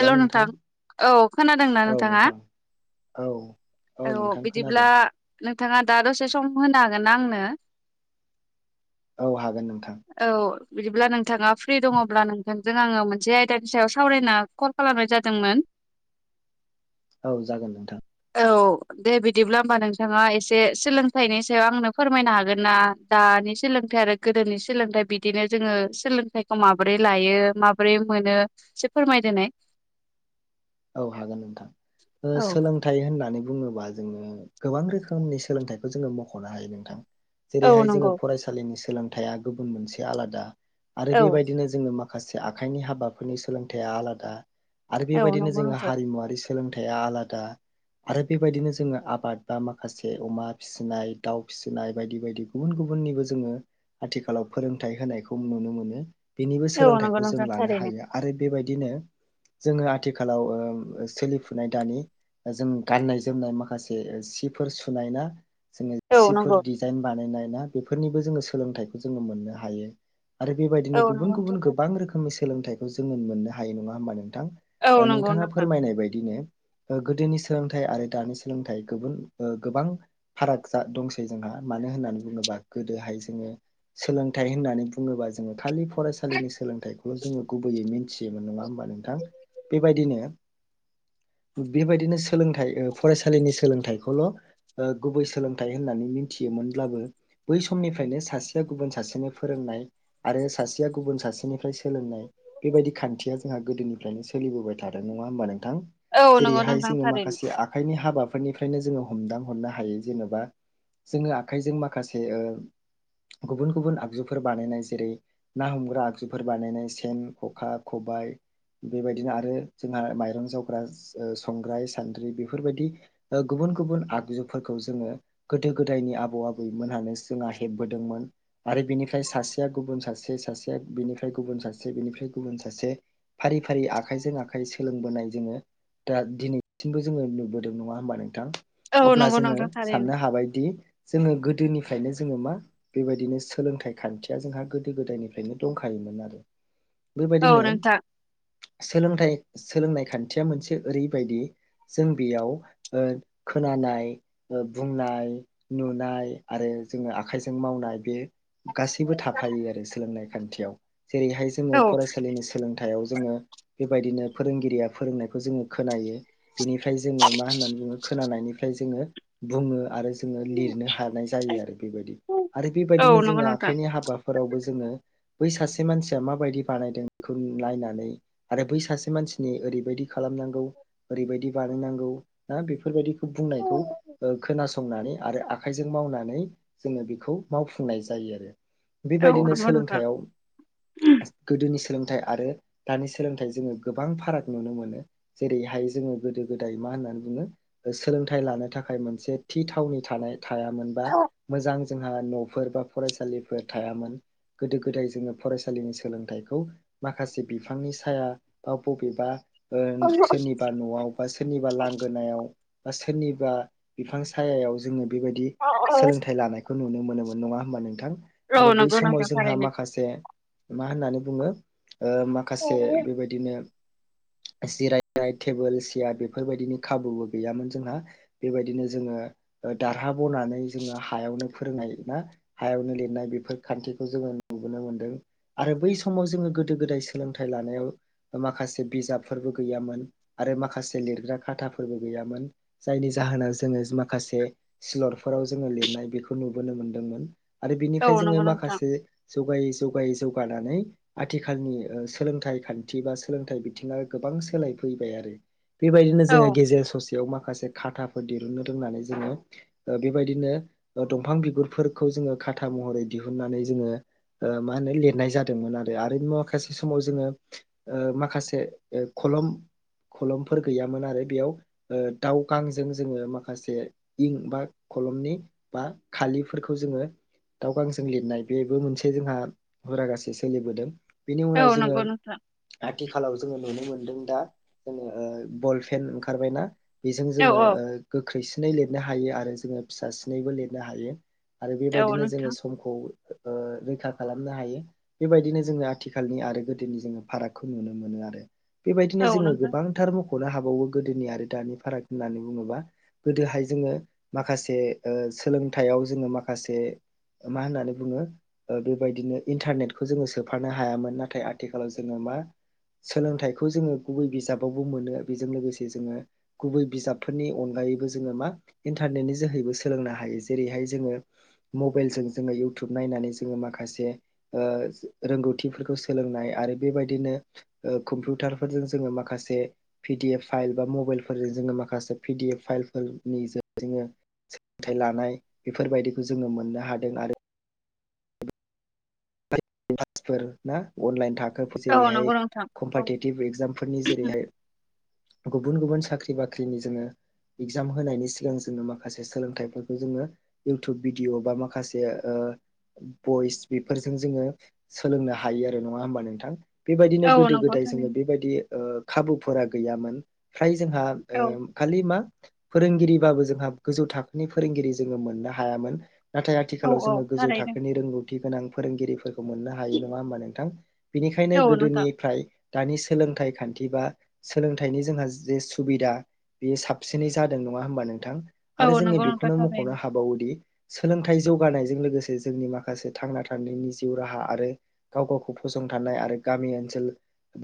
हेल' नोंथां औ खोनादोंना औ नोंथाङा? नोंथां औ औ नोंथां बिदिब्ला खोनादों नों नोंथाङा दा दसे सम होनो हागोन आंनो? औ हागोन नोंथां। औ बिदिब्ला नोंथाङा फ्रि दङोब्ला नोंथांजों आङो मोनसे आयदानि सायाव सावरायनो कल खालामनाय जादोंमोन। औ जागोन नोंथां। औ दे बिदिब्ला होमबा नोंथाङा एसे सोलोंथाइनि सायाव आंनो फोरमायनो हागोन ना दानि सोलोंथाइ आरो गोदोनि सोलोंथाइ बिदिनो जोङो सोलोंथाइखौ माबोरै लायो माबोरै मोनो। एसे फोरमायदोनाय। औ हागोन नोंथां ओ औ सोलोंथाइ होननानै बुङोब्ला। बा जोङो गोबां रोखोमनि सोलोंथाइखौ जोङो मख'नो हायो नोंथां। औ जेरैहाय जोङो नंगौ फरायसालिनि सोलोंथाइआ गुबुन मोनसे आलादा आरो औ बेबायदिनो जोङो मा माखासे आखाइनि हाबाफोरनि सोलोंथाइआ आलादा आरो औ बेबायदिनो नंगौ जों नोंथां हारिमुवारि सोलोंथाया आलादा। आरो बेबायदिनो जोङो आबाद बा माखासे अमा फिसिनाय दाउ फिसिनाय बायदि बायदि गुबुन गुबुन गुबुननिबो जोङो आथिखालाव फोरोंथाइ होनायखौ नुनो मोनो। बेनिबो औ नंगौ सोलोंथाइखौ जों नोंथां लानो थारैनो हायो आरो बेबायदिनो जोङो आथिखाल खालाव ओ सोलिफुनाय दानि जों गाननाय जोमनाय माखासे सिफोर सुनाय ना जोङो औ सिफोर नंगौ डिजाइन बानायनाय ना बेफोरनिबो जोङो सोलोंथाइखौ जोङो मोननो हायो। आरो बेबायदिनो औ गुबुन नंगौ नोंथां गुबुन गोबां रोखोमनि सोलोंथाइखौ जोङो मोननो हायो नङा होमबा नोंथां। औ नंगौ नोंथाङा नोंथां फोरमायनाय बायदिनो गोदोनि सोलोंथाइ आरो दानि सोलोंथाइ गुबुन गोबां फाराग दंसै जोंहा मानो होननानै बुङोबा गोदोहाय जोङो सोलोंथाइ होननानै बुङोबा जोङो खालि फरायसालिनि सोलोंथाइखौ' जोङो गुबै मिथियोमोन नङा होमबा नोंथां बेबायदिनो [inaudible] बेबायदिनो सोलोंथाइ फरायसालिनि सोलोंथाइखौल' गुबै सोलोंथाइ होननानै मिथियोमोन। मोनब्लाबो बै समनिफ्रायनो सासेया गुबुन सासेनि फोरोंनाय आरो सासेया गुबुन सासेनि निफ्राय सोलोंनाय बेबायदि खान्थिया जोंहा गोदोनिफ्रायनो सों सोलिबोबाय थादों नङा हा नोंथां औ नंगौ जेरैहाय नोंथां जोङो थारैनो माखासे आखाइनि हाबाफोरनि बेखायनो जोङो हमदां हरनो हायो जेन'बा जोङो आखाइजों माखासे ओ गुबुन गुबुन आगजुफोर बानायनाय जेरै ना हमग्रा आगजुफोर बानायनाय सेन खखा ख बाय। बेबायदिनो आरो जोंहा माइरं जावग्रा संग्राय सान्द्रि बेफोरबायदि गुबुन गुबुन बुन आगजुफोरखौ जोङो गोदो गोदायनि आबौ आबैमोन जोंहा हेबबोदोंमोन आरो बेनिफ्राय सासेया गुबुन सासे सासेया बिनिफ्राय गुबुन सासे बिनिफ्राय गुबुन सासे फारि फारि आखाइजों आखाइ सोलोंबोनाय जोङो दा दिनैसिमबो जोङो नुबोदों नङा होमबा नोंथां। औ अब्ला नंगौ जोङो नोंथां थारैनो साननो हाबायदि। जोङो गोदोनिफ्रायनो जोङो मा बेबायदिनो सोलोंथाइ खान्थिया जोंहा गोदो गोदायनिफ्रायनो दंखायो। [unintelligible] औ बेबायदिनो नोंथां सोलोंथाइ सोलोंनाय खान्थिया मोनसे ओरैबायदि जों बेयाव ओ खोनानाय ओ बुंनाय नुनाय आरो जोङो आखाइजों मावनाय बे गासैबो थाफायो। सोलोंनाय खान्थियाव जेरैहाय जोङो औ फरायसालिनि सोलोंथायाव जोङो बेबायदिनो फोरोंगिरिया फोरोंनायखौ जोङो खोनायो। बिनिफ्राय जोङो मा होननानै बुङो खोनानायनिफ्राय जोङो बुङो आरो जोङो लिरनो हानाय जायो आरो बेबायदि आरो औ बेबायदिनो नंगौ जोङो नोंथां आखाइनि हाबाफोरावबो जोङो बै सासे मानसिया माबायदि बानायदों बेखौ नायनानै आरो बै सासे मानसिनि ओरैबायदि खालामनांगौ ओरैबायदि बानायनांगौ ना बे [unintelligible] औ बुंनायखौ ओ खोनासंनानै आरो आखाइजों मावनानै जोङो बेखौ मावुंनाय। जायो आरो बेबायदिनो नंगौ नोंथां सोलोंथाइआव गोदोनि सोलोंथाइ आरो दानि सोलोंथाइ जोङो गोबां फाराग नुनो मोनो जेरैहाय जोङो गोदो गोदाय मा होननानै बुङो? सोलोंथाइ लानो थाखाय मोनसे थि थावनि थानाय थायामोनबा मोजां जोंहा न'फोर बा फरायसालिफोर थायामोन। गोदो गोदाय जोङो फरायसालिनि सोलोंथाइखौ माखासे बिफांनि साया बा बबेबा ओ सोरनिबा न'आव बा सोरनिबा लांगोनायाव बा सोरनिबा बिफां साया याव जोङो बेबायदि सोलोंथाइ लानायखौ खौ नुनो मोनोमोन नङा होमबा नोंथां औ आरो बै नंगौ समाव नोंथां जोंहा थारैनो माखासे मा होननानै बुङो ओ माखासे बेबायदिनो [inaudible] जिरायनाय टेबोल सेयार बेफोरबायदिनि खाबुबो गैयामोन जोंहा बेबायदिनो जोङो दारहा बनानै जोङो हायावनो फोरोंनाय ना हायावनो लिरनाय बेफोर खान्थिखौ जोङो नुबोनो मोन्दों आरो बै समाव जोङो गोदो गोदाय सोलोंथाइ लानायाव माखासे बिजाबफोरबो गैयामोन आरो माखासे लिरग्रा खाथाफोरबो गैयामोन जायनि जा जाहोना जोङो माखासे सिलर फोराव जोङो लिरनाय बेखौ नुबोनो मोन्दोंमोन आरो औ बेनिफ्राय जोङो नंगौ नोंथां माखासे जगाय ज जगायै जौगानानै आथिखालनि ओ सोलोंथाइ खान्थि बा सोलोंथाइ बिथिङा गोबां सोलाय फैबाय आरो। बेबायदिनो औ जोङो गेजेराव ससे याव माखासे खाथाफोर दिरुननो रोंनानै जोङो ओ बेबायदिनो दंफां बिगुरफोरखौ जोङो खाथा महरै दिहुननानै जोङो ओ मा होनो लिरनाय जादोंमोन आरो [unintelligible] माखासे समाव जोङो ओ माखासे ओ खलम खलमफोर गैयामोन आरो बेयाव ओ दावगांजों जोङो माखासे इं बा खलमनि बा खालिफोरखौ जोङो दाव गांजों लिरनाय बेबो मोनसे जोंहा हुरा गासै सोलिबोदों। बिनि औ उनाव जोङो नंगौ नोंथां आथिखालाव जोङो नुनो मोनो दों दा जोङो बल फेन ओंखारबायना। बेजों औ जोङो ओ गोख्रैसिनै लिरनो हायो आरो जोङो फिसा सिनैबो लिरनो हायो। आरो औ बेबायदिनो जोङो नोंथां समखौ ओ रैखा खालामनो हायो बेबायदिनो जोङो आथिखालनि आरो गोदोनि जोङो फारागखौ नुनो मोनो आरो बेबायदिनो औ जोङो नोंथां गोबांथार म खनो हाबावो गोदोनि आरो दानि फाराग होननानै बुङोबा गोदोहाय जोङो माखासे ओ सोलोंथाइयाव जोङो माखासे मा होननानै बुङो ओ बेबायदिनो इन्टारनेटखौ जोङो सोफा नो हायामोन नाथाय आथिखालाव जोङो मा सोलोंथाइखौ जोङो गुबै बिजाबावबो मोनो बेजों लोगोसे जोङो गुबै बिजाबफोरनि अनगायै यैबो जोङो मा इनटारनेनि जोहैबो सोलोंनो हायो जेरैहाय जोङो मबाइलजों जोङो इउ टुब नायनानै जोङो माखासे ओ रोंगौथिफोरखौ सोलोंनाय आरो बेबायदिनो ओ कम्पिउटारफोरजों जोङो माखासे फिद डि एफ फाइल बा मबाइलफोरजों जोङो माखासे पि डि एफ फाइलफोरनि जोङो सोलोंथाइ लानाय बेफोरबायदिखौ जोङो मोननो हादों आरो क्लासफोर ना अनलाइन थाख खोब औ जेरैहाय नंगौ नोंथां औ कम्पाटिटिभ एग्जामफोरनि जेरैहाय गुबुन गुबुन साख्रि बाख्रिनि जोङो इगजाम होनायनि सिगां जोङो माखासे सोलोंथाइफोरखौ जोङो इउटुब भिडिअ' बा माखासे ओ बइस बेफोरजों जोङो सोलोंनो हायो आरो नङा होमबा नोंथां बेबायदिनो औ गोदो नंगौ गोदाय जोङो थारैनो बेबायदि ओ खाबुफोरा गैयामोन फ्राय जोंहा ओ खालि मा फोरोंगिरिबाबो जोंहा गोजौ थाखोनि फोरोंगिरि जोङो मोननो हायामोन। नाथाय औ आथिखालाव औ जोङो गोजौ थारैनो थाखोनि रोंगौथि गोनां फोरोंगिरिफोर खौ मोननो हायो नङा हबा नोंथां बिनिखायनो औ नोंथां गोदोनिफ्राय दानि सोलोंथाइ खान्थि बा सोलोंथाइनि जोंहा जे सुबिदा बेयो साबसिनै जादों नङा होमबा नोंथां आरो औ जोङो नंगौ नोंथां बेखौनो मख'नो थारैनो हाबावोदि सोलोंथाइ जौगानायजों लोगोसे जोंनि माखासे थांना थानायनि जि जिउ राहा आरो गाव गावखौ फसंथानाय आरो गामि ओनसोल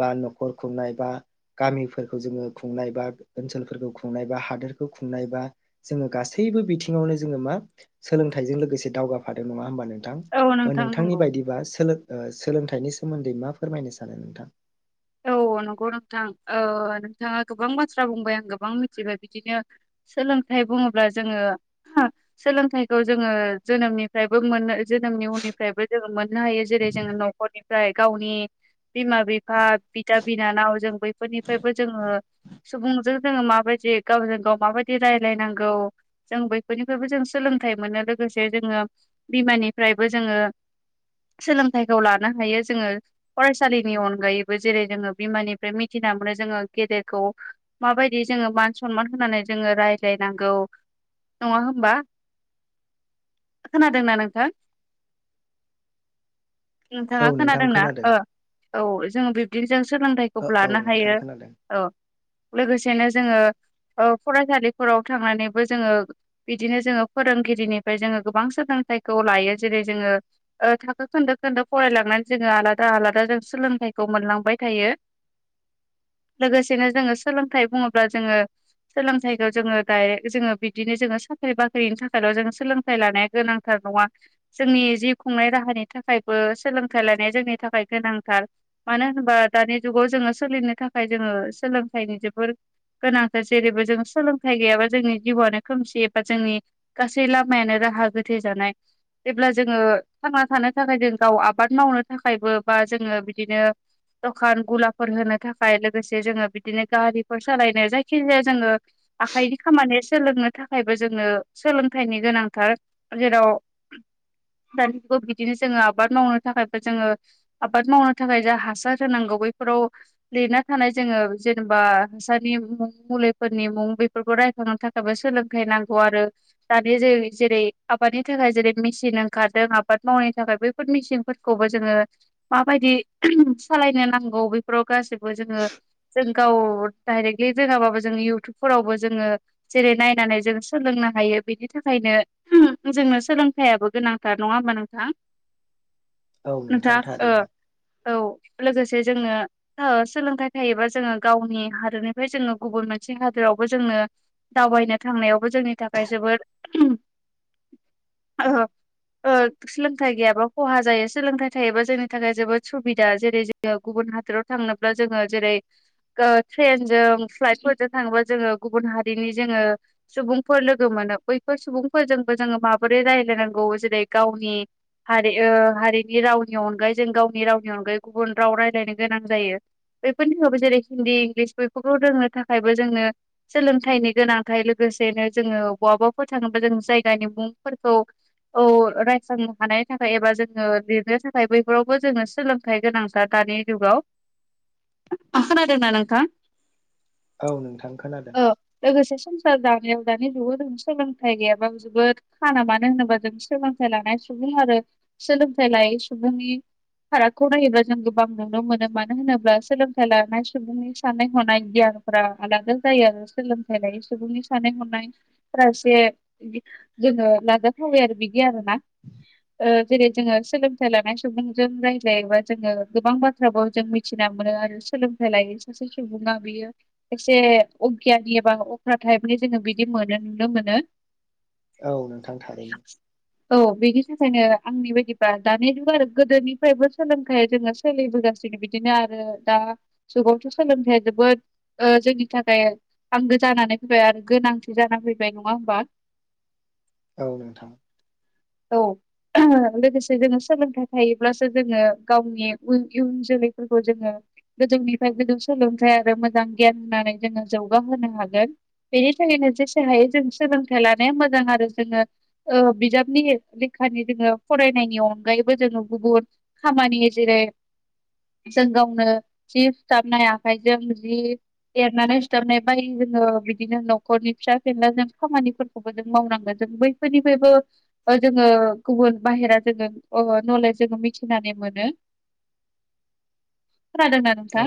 बा न'खर खुंनाय बा गामिफोरखौ जोङो खुंनाय बा ओनसोलफोरखौ खुंनाय बा हादोरखौ खुंनाय बा जोङो गासै बो बिथिङावनो जोङो मा सोलोंथाइजों लोगोसे दावगाफादों नङा होमबानो। नोंथां औ ओ नोंथां नोंथांनि नंगौ बायदिबा सोलों ओ सोलों थाइनि सोमोन्दै मा फोरमायनो सानो नोंथां औ अ नंगौ नोंथां ओ नोंथाङा गोबां बाथ्रा बुंबाय आं गोबां मिथिबाय बिदिनो सोलों थाय बुङोब्ला जोङो [unintelligible] सोलोंथाइखौ जोङो जोनोमनिफ्रायबो मोनो जोनोमनि उननि फ्रायबो जोङो मोननो हायो जेरै जोङो न'खरनिफ्राय गावनि बिमा बिफा बिदा बिनानाव जों बैफोरनिफ्रायबो जोङो सुबुंजों जोङो माबायदि गावजों गाव माबायदि रायलायनांगौ जों बैफोरनिफ्रायबो जों सोलों सोलोंथाइ मोनो लोगोसे जोङो बिमानिफ्रायबो जोङो सोलोंथाइखौ लानो हायो जोङो फरायसालिनि अनगायै। बो जेरै जोङो बिमानिफ्राय मिथिना मोनो जोङो गेदेरखौ माबायदि जोङो मान सनमान होनानै जोङो रायज्लायनांगौ नङा होमबा खोनादोंना नोंथां? नोंथाङा औ नोंथां खोनादोंना खोनादों ओ औ जोङो बिबदि जों ओ सोलोंथाइखौबो औ लानो नोंथां हायो खोनादों औ लोगोसेनो जोङो ओ फरायसालिफोराव थांनानैबो जोङो बिदिनो जोङो फोरोंगिरिनिफ्राय जोङो गोबां सोलों थाइखौ लायो जेरै जोङो ओ थाखो खोन्दो खोन्दो फरायलांनानै जोङो आलादा आलादा जों सोलोंथाइ खौ मोनलांबाय थायो लोगोसेनो जोङो सोलोंथाइ बुङोब्ला जोङो सोलोंथाइखौ जोङो डाइरेक्ट जोङो बिबदिनो जोङो साख्रि बाख्रिनि थाखायल' जोंङो सोलोंथाइ लानाया गोनांथार नङा जोंनि जिउ खुंनाय राहानि थाखायबो सोलोंथाइ लानाया जोंनि थाखाय गोनांथार मानो होनबा दानि जुगाव जोङो सोलिनो थाखाय जोङो सोलोंथाइनि जोबोर‌ गोनांथार जेरैबो जों सोलोंथाइ गैयाबा जोंनि जिउआनो खोमसि एबा जोंनि गासै लामायानो गा राहा गोथे जानाय जेब्ला जोङो थांना थानो थाखाय जों गाव आबाद मावनो थाखायबो बा जोङो बिदिनो। दखान गुलाफोर होनो थाखाय लोगोसे जोङो बिदिनो गारिफोर सालायनो जायखि जाया जोङो आखाइनि खामानि सोलोंनो थाखायबो जोंनो सोलोंथाइनि गोनांथार जेराव दानि जुगाव बिदिनो जोङो आबाद मावनो थाखायबो जोङो आबाद मावनो थाखाय जा हासार होनांगौ बैफोराव लिरना थानाय जोङो जेनेबा हासारनि मुं मुलिफोरनि मुं बेफोरखौ रायखांनो थाखायबो सोलोंथाइ नांगौ आरो दानि जे- जेरै आबाद नि थाखाय जेरै मेचिन ओंखारदों आबाद मावनायनि थाखाय बैफोर मेचिनफोरखौबो जोङो माबायदि [unintelligible] सालायनो नांगौ बेफोराव गासैबो जोङो जों गाव डाइरेक्टलि रोङाबाबो जों इउटुबफोरावबो जोङो जेरै नायनानै जों सोलों नो हायो बेनि थाखायनो [unintelligible] जोंनो सोलोंथाइयाबो गोनांथार नङा होमबा नोंथां [inaudible] औ नोंथां थारैनो। औ लोगोसे जोङो ओ सोलोंथाइ थायोबा जोङो गावनि हादरनिफ्राय जोङो गुबुन मोनसे हा दोरावबो जोंनो दावबायनो थांनायावबो जोंनि थाखाय जोबोद ओ ओ सोलोंथाइ गैयाबा खहा जायो सोलोंथाइ थायोबा जोंनि थाखाय जोबोद सुबिदा जेरै जोङो गुबुन हादोराव थांनोब्ला जोङो जेरै ओ ट्रेनजों फ्लाइट फोरजों थाङोबा जोङो गुबुन हारिनि जोङो सुबुंफोर लोगो मोनो बैफोर सुबुंफोरजोंबो जोङो माबोरै रायलायनांगौ जेरै गावनि हारि ओ हारिनि रावनि अनगायै जों गाव नि रावनि अनगायै गुबुन राव रायलायनो गोनां जायो। बेफोरनि उनावबो जेरै हिन्दी इंलिस बेफोरखौ रोंनो थाखायबो जोंनो सोलोंथाइनि गोनांथाय लोगो सेनो जोङो बवावबा फोर थाङोबा जों जायगानि मुंफोरखौ औ रायखांनो हानायनि थाखाय एबा जोङो लिरनो थाखाय बैफोरावबो जोंनो सोलोंथाइ गोनांथार दानि जुगाव खोनादोंना नोंथां औ नोंथां खोनादों। औ लोगोसे संसार जानायाव दानि जुगाव जों सोलोंथाइ गैयाबाबो जोबोद खाना मानो होनोबा जों सोलोंथाइ लानाय सुबुं आरो सोलोंथाय लायै सुबुंनि‌ फारागखौ नायोब्ला जों गोबां नुनो मोनो मानो होनोब्ला सोलोंथाइ लानाय सुबुंनि सानाय हनाय गियान फोरा आलादा जायो आरो सोलोंथाइ लायो सुबुंनि साननाय हनायफोरा एसे। जोङो लाजाथावबाय आरो बिदि आरोना जेरै जोङो सोलोंथाइ लानाय सुबुं जों रायज्लायोबा जोङो गोबां बाथ्राबाव जों मिथिना मोनो आरो सोलोंथाइ लायो सासे सुबुङा बे एसे अगियानि एबा अख्रा टाइपनि जोङो बिदि मोनो नुनो मोनो। औ नोंथां थारैनो। औ बिनि थाखायनो आंनि बायदिबा दानि जुगाव आरो गोदोनिफ्रायबो सोलोंथाइ जोङो सोलिबोगासिनो बिदिनो आरो दा जुगावथ' सोलोंथाइया जोबोर जोबोद जोंनि थाखाय आंगो जानानै फैबाय आरो गोनांथि जानानै फैबाय नङा होमबा? ए। औ नोंथां। लोगोसे जों सोलोंथाय। थायोब्लासो जोङो गावनि इयुन जोलैफोरखौ जोङो गोजौनिफ्राय गोजौ सोलोंथाय आरो मोजां गियान होननानै जोङो जौगाहोनो हागोन। बेनि थाखायनो जेसे हायो जों सोलोंथाइ लानाया मोजां आरो जोङो बिजाबनि बेखनो जोङो फरायनायनि अनगायैबो जोङो गुबुन खामानि जेरै जों गावनो जि सुथाबनाय आखाइजों, जि दरनानै सुथाबनाय बायदि जोङो बिदिनो न'खरनि फिसा फेनला जों खामानिफोरखौबो जों मावनांगोन जों बैफोरनिफ्रायबो ओ जोङो गुबुन बाहेरा जोङो अ नलेज जोङो मिथिनानै मोनो। खोनादों ना नोंथां?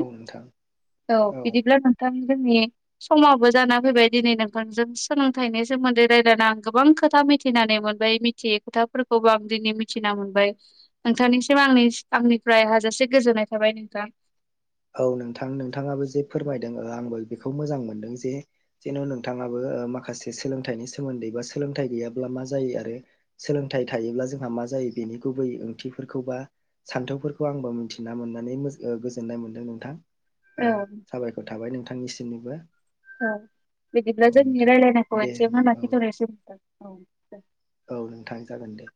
औ बिदिब्ला नोंथां जोंनि समाबो जाना फैबाय दिनै नोंखौ जों सोलोंथाइनि सोमोन्दै रायज्लायना आं गोबां खोथा मिथिनानै मोनबाय मिथियै खोथाफोरखौबो आं दिनै मिथिना मोनबाय। नोंथांनिसिम आंनि आंनिफ्राय हाजासे गोजोननाय थाबाय नोंथां। औ नोंथां नोंथाङाबो जे फोरमायदों। आंबो बेखौ मोजां मोनदों जे जेन' नोंथाङाबो माखासे सोलोंथाइनि सोमोन्दै बा सोलोंथाइ गैयाब्ला मा जायो आरो सोलोंथाइ थायोब्ला जोंहा मा जायो बेनि गुबै ओंथिफोरखौबा सान्थौफोरखौ आंबो मिथिना मोननानै मो- ओ गोजोननाय मोनदों नोंथां। औ साबायखर थाबाय नोंथांनिसिमनिबो। औ औ बेदिब्ला जों नोंथां रायलानायखौ दे एसे आवनो औ लाखि थनोसौ। औ नोंथां जागोन दे।